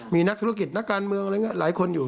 มีนักธุรกิจนักการเมืองอะไรอย่างนี้หลายคนอยู่